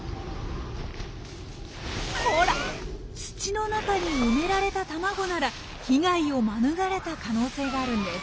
ほら土の中に埋められた卵なら被害を免れた可能性があるんです。